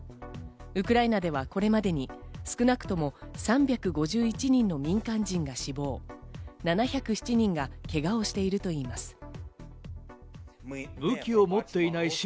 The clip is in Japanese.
ウクライナではこれまでに少なくとも３５１人の民間人が死亡、７０７人がけがをしているといいます。